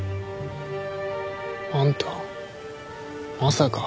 あんたまさか。